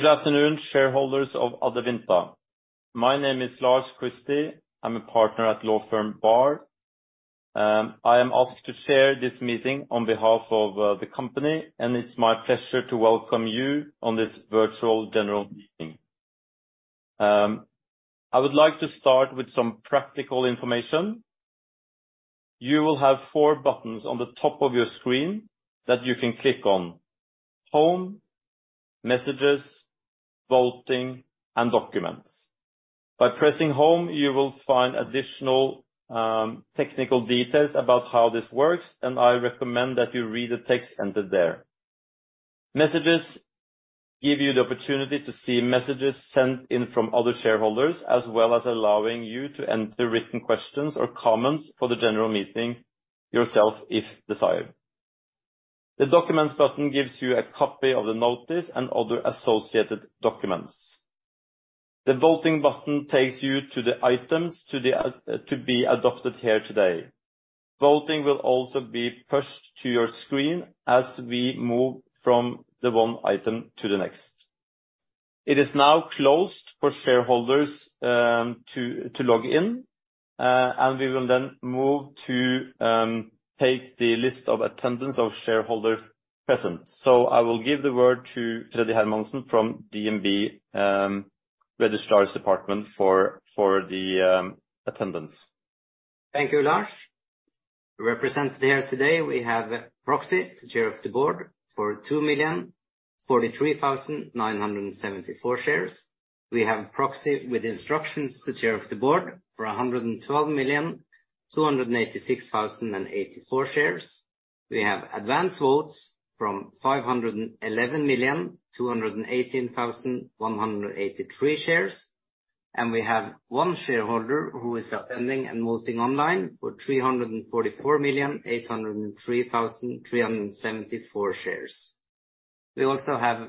Good afternoon, shareholders of Adevinta. My name is Lars Christie. I'm a partner at law firm BAHR. I am asked to chair this meeting on behalf of the company, and it's my pleasure to welcome you on this virtual general meeting. I would like to start with some practical information. You will have four buttons on the top of your screen that you can click on: Home, Messages, Voting, and Documents. By pressing Home, you will find additional technical details about how this works, and I recommend that you read the text entered there. Messages give you the opportunity to see messages sent in from other shareholders, as well as allowing you to enter written questions or comments for the general meeting yourself, if desired. The Documents button gives you a copy of the notice and other associated documents. The Voting button takes you to the items to be adopted here today. Voting will also be pushed to your screen as we move from the one item to the next. It is now closed for shareholders to log in, we will then move to take the list of attendance of shareholder present. I will give the word to Freddy Hermansen from DNB, Registrar's Department for the attendance. Thank you, Lars. Represented here today, we have a proxy, the chair of the board, for 2,043,974 shares. We have proxy with instructions to chair of the board for 112,286,084 shares. We have advanced votes from 511,218,183 shares. We have one shareholder who is attending and voting online for 344,803,374 shares. We also have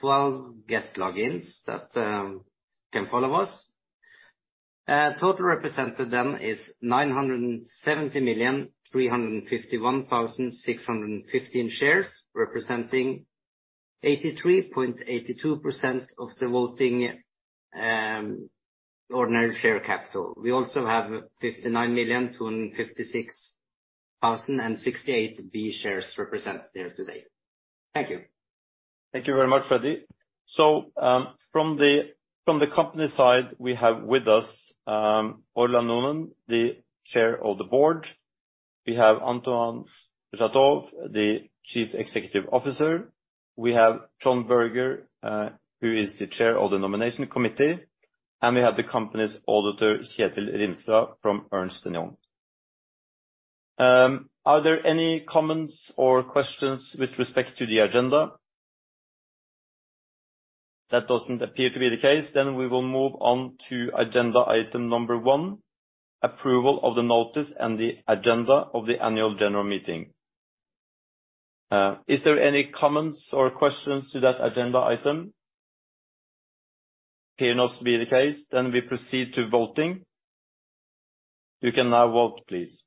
12 guest logins that can follow us. Total represented is 970,351,615 shares, representing 83.82% of the voting ordinary share capital. We also have 59,256,068 B-shares represented here today. Thank you. Thank you very much, Freddy. From the company side, we have with us Orla Noonan, the Chair of the Board. We have Antoine Jouteau, the Chief Executive Officer. We have Trond Berger, who is the Chair of the Nomination Committee, and we have the company's auditor, Kjetil Rimstad, from Ernst & Young. Are there any comments or questions with respect to the agenda? That doesn't appear to be the case, we will move on to agenda item number one, approval of the notice and the agenda of the annual general meeting. Is there any comments or questions to that agenda item? Appear not to be the case, we proceed to voting. You can now vote, please.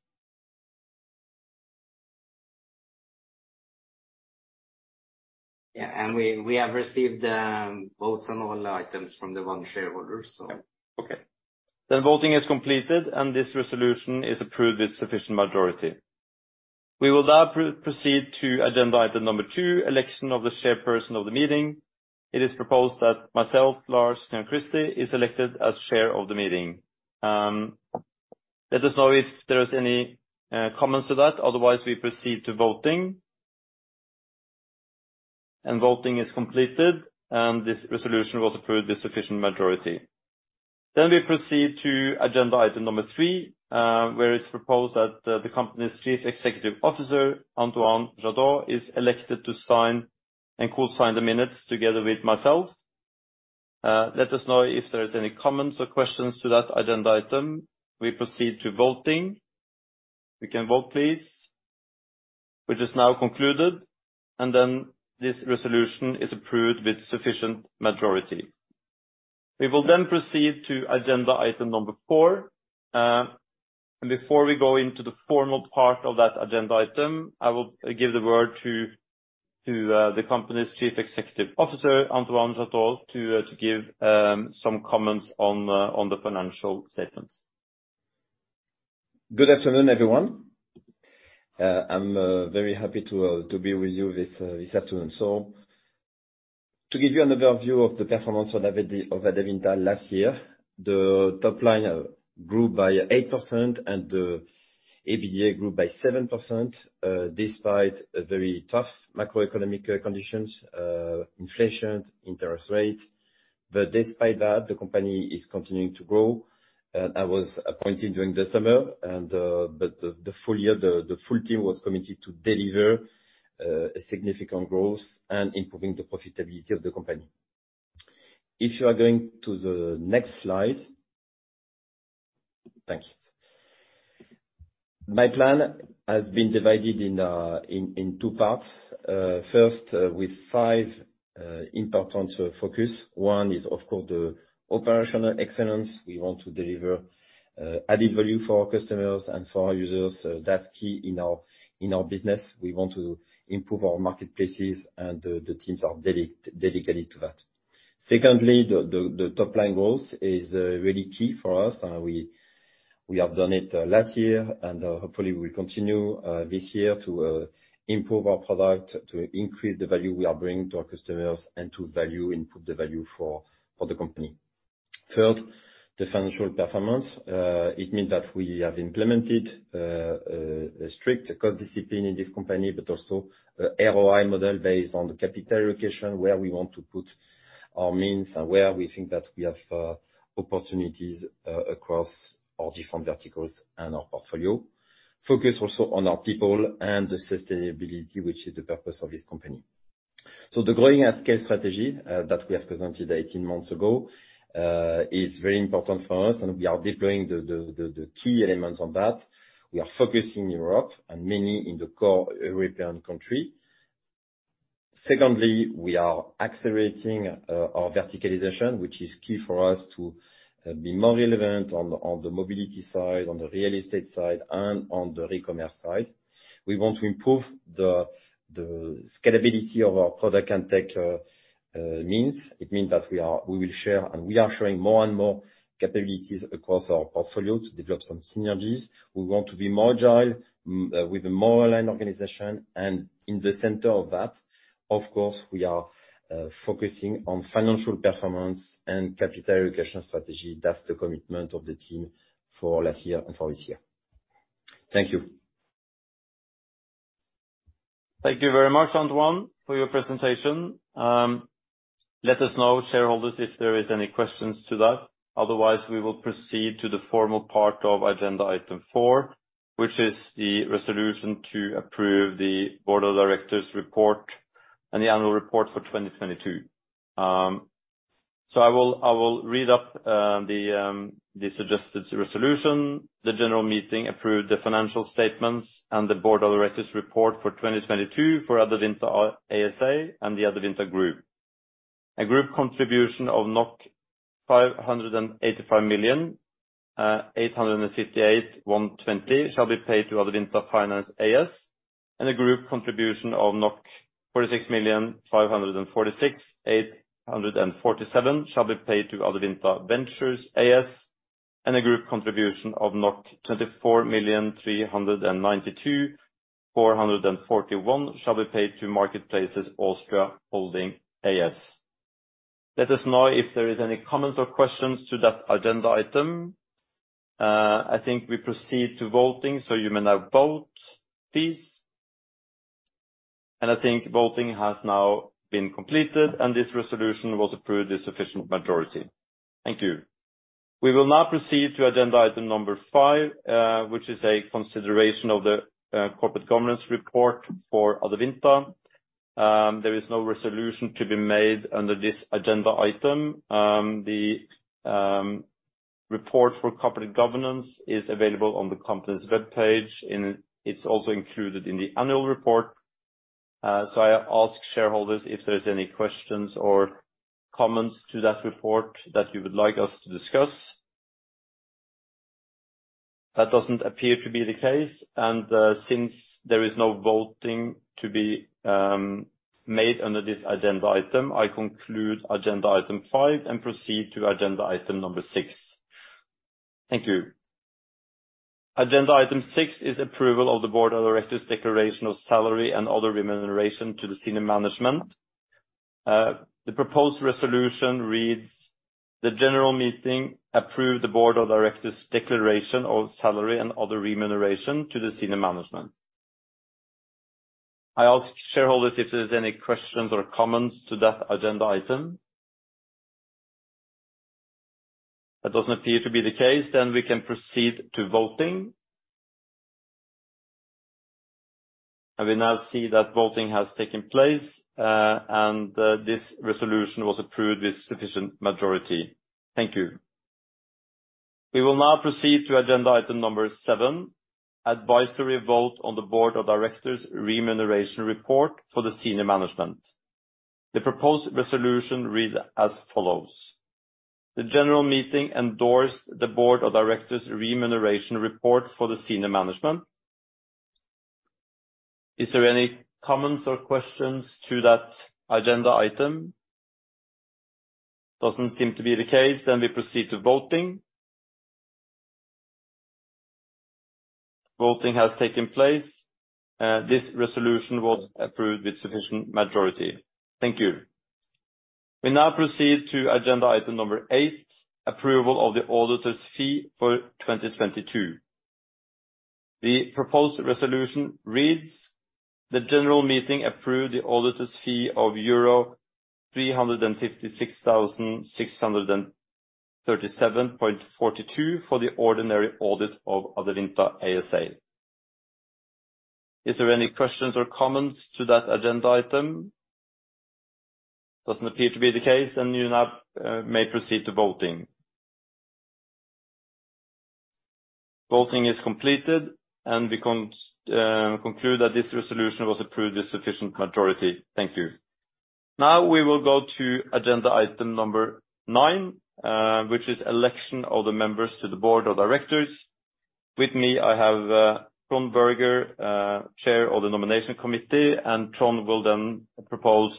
Yeah, we have received votes on all items from the one shareholder, so. Okay. Voting is completed, and this resolution is approved with sufficient majority. We will now proceed to agenda item number two, election of the chairperson of the meeting. It is proposed that myself, Lars Christie, is elected as chair of the meeting. Let us know if there is any comments to that. Otherwise, we proceed to voting. Voting is completed, and this resolution was approved with sufficient majority. We proceed to agenda item number three, where it's proposed that the company's Chief Executive Officer, Antoine Jouteau, is elected to sign and co-sign the minutes together with myself. Let us know if there is any comments or questions to that agenda item. We proceed to voting. We can vote, please, which is now concluded. This resolution is approved with sufficient majority. We will then proceed to agenda item number 4. Before we go into the formal part of that agenda item, I will give the word to the company's Chief Executive Officer, Antoine Jouteau, to give some comments on the financial statements. Good afternoon, everyone. I'm very happy to be with you this afternoon. To give you an overview of the performance of Adevinta last year, the top line grew by 8%, and the EBITDA grew by 7%, despite a very tough macroeconomic conditions, inflation, interest rate. Despite that, the company is continuing to grow. I was appointed during the summer, but the full year, the full team was committed to deliver a significant growth and improving the profitability of the company. If you are going to the next slide. Thank you. My plan has been divided in two parts. First, with five important focus. One is, of course, the operational excellence. We want to deliver added value for our customers and for our users. That's key in our business. We want to improve our marketplaces, and the teams are dedicated to that. Secondly, the top line growth is really key for us. We have done it last year, and hopefully we continue this year to improve our product, to increase the value we are bringing to our customers, and to improve the value for the company. Third, the financial performance. It means that we have implemented a strict cost discipline in this company, but also a ROI model based on the capital allocation, where we want to put our means and where we think that we have opportunities across all different verticals and our portfolio. Focus also on our people and the sustainability, which is the purpose of this company. The Growing at Scale strategy that we have presented 18 months ago is very important for us, and we are deploying the key elements on that. We are focusing Europe and mainly in the core European country. Secondly, we are accelerating our verticalization, which is key for us to be more relevant on the mobility side, on the real estate side, and on the e-commerce side. We want to improve the scalability of our product and tech means. It means that we will share, and we are sharing more and more capabilities across our portfolio to develop some synergies. We want to be more agile, with a more aligned organization, and in the center of that, of course, we are focusing on financial performance and capital allocation strategy. That's the commitment of the team for last year and for this year. Thank you. Thank you very much, Antoine, for your presentation. Let us know, shareholders, if there is any questions to that. We will proceed to the formal part of agenda item four, which is the resolution to approve the board of directors' report and the annual report for 2022. I will read up the suggested resolution. The general meeting approved the financial statements and the board of directors' report for 2022 for Adevinta ASA and the Adevinta Group. A group contribution of 585,858,120 shall be paid to Adevinta Finance AS. A group contribution of 46,546,847 shall be paid to Adevinta Ventures AS. A group contribution of 24,392,441 shall be paid to Marketplaces Austria Holding AS. Let us know if there is any comments or questions to that agenda item. I think we proceed to voting. You may now vote, please. I think voting has now been completed, and this resolution was approved with sufficient majority. Thank you. We will now proceed to agenda item number five, which is a consideration of the corporate governance report for Adevinta. There is no resolution to be made under this agenda item. The report for corporate governance is available on the company's webpage, and it's also included in the annual report. I ask shareholders if there's any questions or comments to that report that you would like us to discuss. That doesn't appear to be the case, since there is no voting to be made under this agenda item, I conclude agenda item five and proceed to agenda item number six. Thank you. Agenda item six is approval of the board of directors' declaration of salary and other remuneration to the senior management. The proposed resolution reads: The general meeting approved the board of directors' declaration of salary and other remuneration to the senior management. I ask shareholders if there's any questions or comments to that agenda item. That doesn't appear to be the case, we can proceed to voting. We now see that voting has taken place, and this resolution was approved with sufficient majority. Thank you. We will now proceed to agenda item number 7, advisory vote on the board of directors' remuneration report for the senior management. The proposed resolution read as follows: The general meeting endorsed the board of directors' remuneration report for the senior management. Is there any comments or questions to that agenda item? Doesn't seem to be the case, we proceed to voting. Voting has taken place, this resolution was approved with sufficient majority. Thank you. We now proceed to agenda item number 8, approval of the auditor's fee for 2022. The proposed resolution reads: The general meeting approved the auditor's fee of 356,637.42 for the ordinary audit of Adevinta ASA. Is there any questions or comments to that agenda item? Doesn't appear to be the case. You now may proceed to voting. Voting is completed, and we conclude that this resolution was approved with sufficient majority. Thank you. We will go to agenda item number 9, which is election of the members to the board of directors. With me, I have Trond Berger, Chair of the Nomination Committee, and Trond will then propose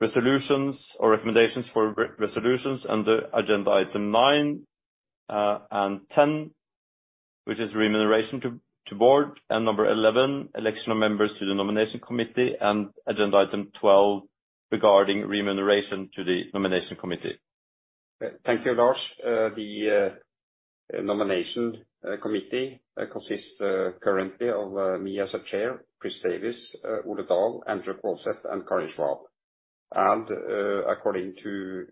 resolutions or recommendations for resolutions under agenda item 9 and 10, which is remuneration to board. 11, election of members to the Nomination Committee, and agenda item 12, regarding remuneration to the Nomination Committee. Thank you, Lars. The nomination committee consists currently of me as a chair, Chris Davies, Ole Dahl, Andrew Kvålseth, and Karin Schwab. According to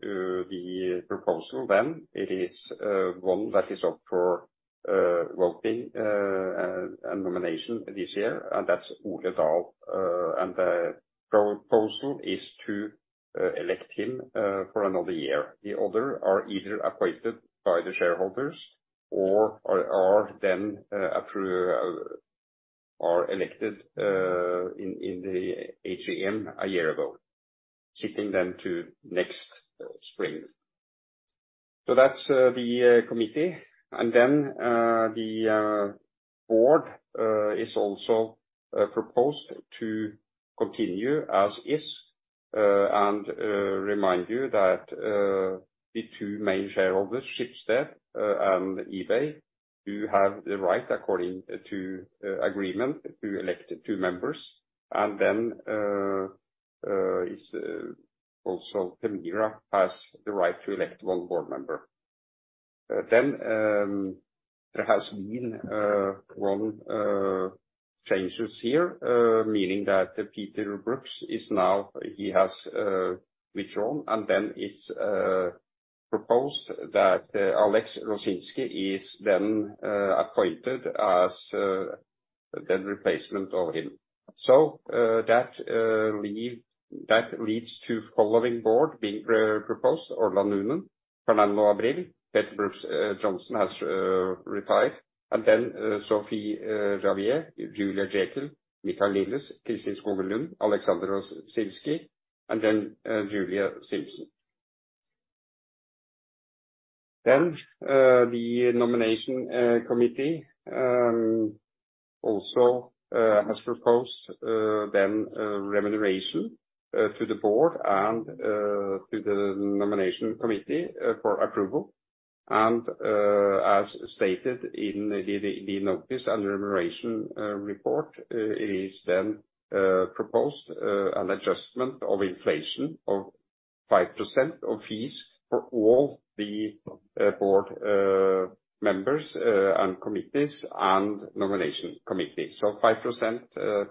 the proposal, then it is one that is up for voting and nomination this year, and that's Ole Dahl. The proposal is to elect him for another year. The other are either appointed by the shareholders or are then elected in the AGM a year ago, keeping them to next spring. That's the committee. Then the board is also proposed to continue as is. Remind you that the two main shareholders, Schibsted and eBay, do have the right, according to agreement, to elect two members. also Permira has the right to elect one board member. There has been one changes here, meaning that Peter Brooks has withdrawn, and then it's proposed that Aleksander Rosinsky is then appointed as the replacement of him. That leads to following board being proposed: Orla Noonan, Fernando Abril, Peter Brooks-Johnson has retired, and then Sophie Javary, Julia Jäkel, Michael Nilles, Kristin Skogen Lund, Aleksander Rosinsky, and then Julie Simpson. The nomination committee also has proposed remuneration to the board and to the nomination committee for approval. As stated in the notice and remuneration report, it is then proposed an adjustment of inflation of 5% of fees for all the Board members and committees, and Nomination Committee. 5%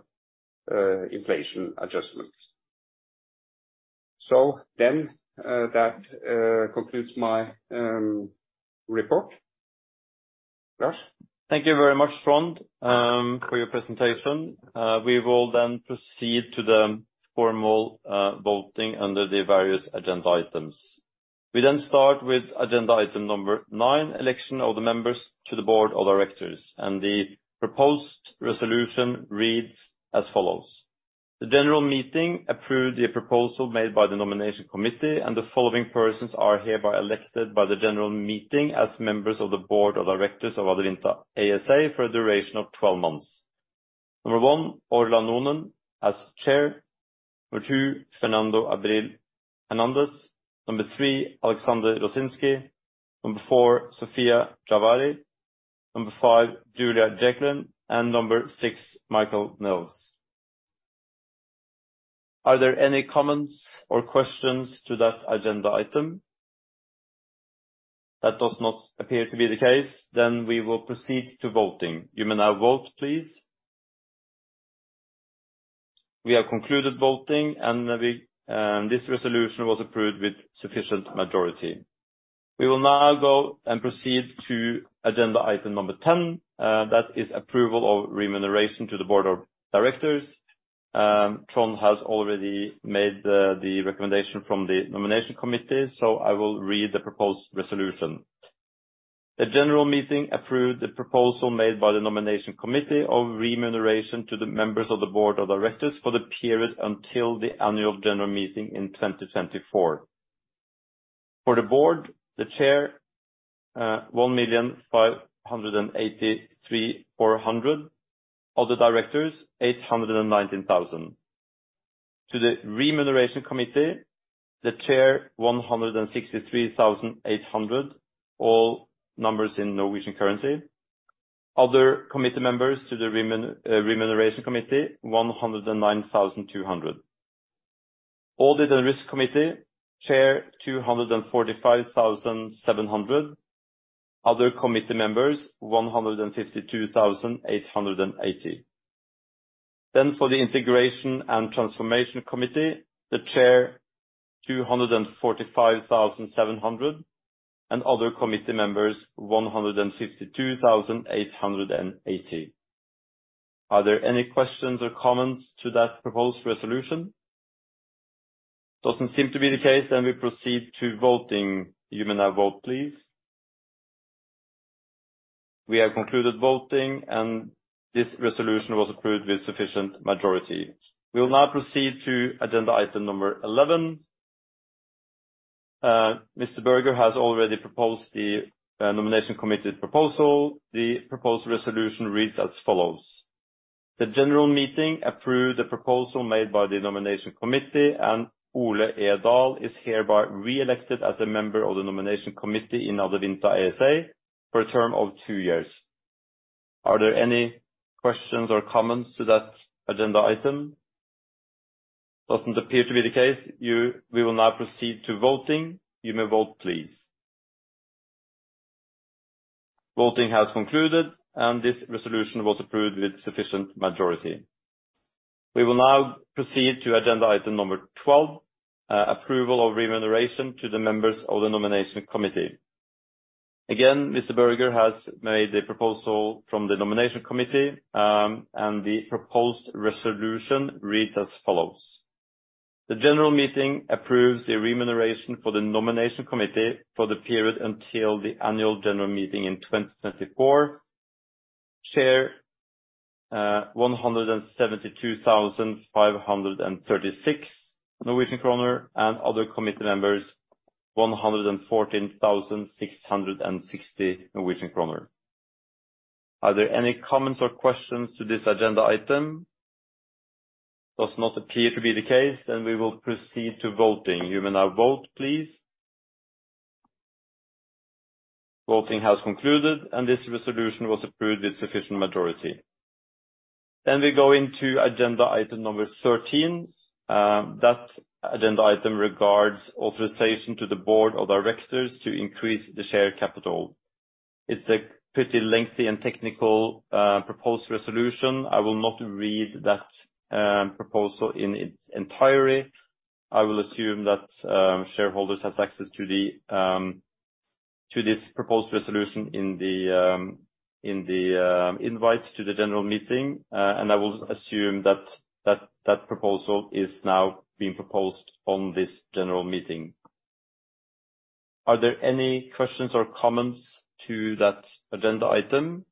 inflation adjustments. That concludes my report. Lars? Thank you very much, Trond, for your presentation. We will then proceed to the formal voting under the various agenda items. We then start with agenda item 9, election of the members to the board of directors, and the proposed resolution reads as follows: The general meeting approved the proposal made by the nomination committee, and the following persons are hereby elected by the general meeting as members of the board of directors of Adevinta ASA, for a duration of 12 months. Number 1, Orla Noonan as chair. Number 2, Fernando Abril-Hernández. Number 3, Aleksander Rosinsky. Number 4, Sophie Javary. Number 5, Julia Jäkel, and number 6, Michael Nilles. Are there any comments or questions to that agenda item? That does not appear to be the case, then we will proceed to voting. You may now vote, please. We have concluded voting, and we, this resolution was approved with sufficient majority. We will now go and proceed to agenda item number 10, that is approval of remuneration to the board of directors. Trond has already made the recommendation from the nomination committee, so I will read the proposed resolution. The general meeting approved the proposal made by the nomination committee of remuneration to the members of the board of directors for the period until the annual general meeting in 2024. For the board, the chair, 1,583,400. Other directors, 819,000. To the remuneration committee, the chair, 163,800, all numbers in Norwegian currency. Other committee members to the remuneration committee, 109,200. Audit and risk committee, chair, 245,700. Other committee members, 152,880. For the integration and transformation committee, the chair, 245,700, and other committee members, 152,880. Are there any questions or comments to that proposed resolution? Doesn't seem to be the case. We proceed to voting. You may now vote, please. We have concluded voting. This resolution was approved with sufficient majority. We will now proceed to agenda item number 11. Mr. Berger has already proposed the nomination committee proposal. The proposed resolution reads as follows: The general meeting approved the proposal made by the nomination committee. Ole E. Dahl is hereby re-elected as a member of the nomination committee in Adevinta ASA for a term of 2 years. Are there any questions or comments to that agenda item? Doesn't appear to be the case. We will now proceed to voting. You may vote, please. Voting has concluded. This resolution was approved with sufficient majority. We will now proceed to agenda item number 12, approval of remuneration to the members of the nomination committee. Again, Mr. Berger has made a proposal from the nomination committee. The proposed resolution reads as follows: The general meeting approves the remuneration for the nomination committee for the period until the annual general meeting in 2024. Chair, 172,536 Norwegian kroner. Other committee members, 114,660 Norwegian kroner. Are there any comments or questions to this agenda item? Does not appear to be the case. We will proceed to voting. You may now vote, please. Voting has concluded, and this resolution was approved with sufficient majority. We go into agenda item number 13. That agenda item regards authorization to the board of directors to increase the shared capital. It's a pretty lengthy and technical proposed resolution. I will not read that proposal in its entirety. I will assume that shareholders have access to this proposed resolution in the invite to the general meeting, and I will assume that that proposal is now being proposed on this general meeting. Are there any questions or comments to that agenda item?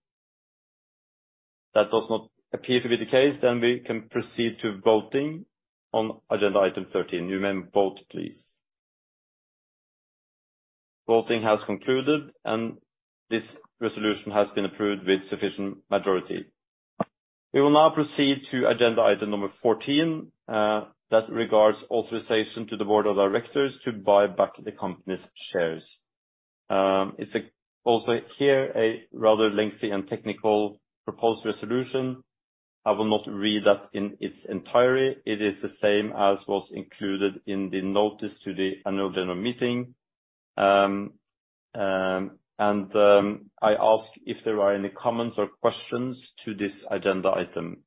That does not appear to be the case, then we can proceed to voting on agenda item 13. You may vote, please. Voting has concluded, and this resolution has been approved with sufficient majority. We will now proceed to agenda item number 14, that regards authorization to the board of directors to buy back the company's shares. It's also here, a rather lengthy and technical proposed resolution. I will not read that in its entirety. It is the same as was included in the notice to the annual general meeting. I ask if there are any comments or questions to this agenda item.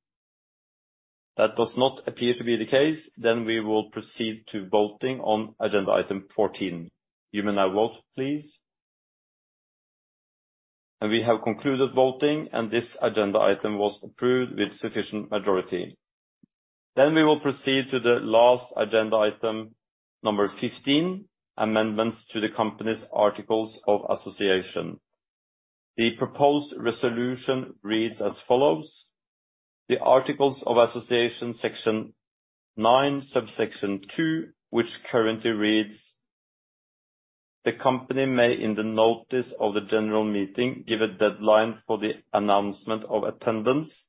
That does not appear to be the case, then we will proceed to voting on agenda item 14. You may now vote, please. We have concluded voting, and this agenda item was approved with sufficient majority. We will proceed to the last agenda item, number 15, amendments to the company's articles of association. The proposed resolution reads as follows: The articles of Association, Section 9, subsection two, which currently reads, "The company may, in the notice of the general meeting, give a deadline for the announcement of attendance,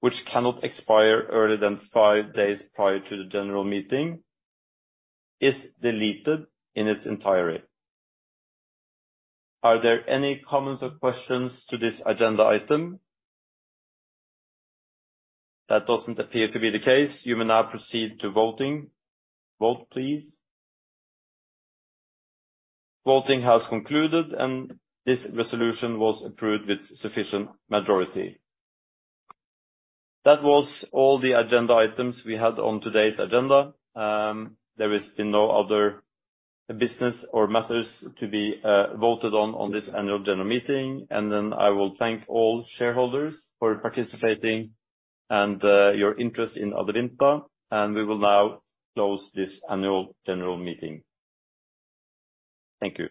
which cannot expire earlier than 5 days prior to the general meeting," is deleted in its entirety. Are there any comments or questions to this agenda item? That doesn't appear to be the case. You may now proceed to voting. Vote, please. Voting has concluded, and this resolution was approved with sufficient majority. That was all the agenda items we had on today's agenda. There has been no other business or matters to be voted on this annual general meeting, and then I will thank all shareholders for participating and your interest in Adevinta, and we will now close this annual general meeting. Thank you.